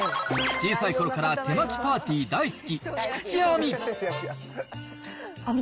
小さいころから手巻きパーティー大好き、菊地亜美。